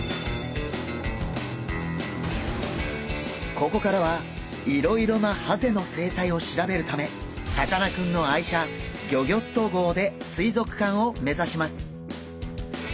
ここからはいろいろなハゼの生態を調べるためさかなクンの愛車ギョギョッと号で水族館を目指します。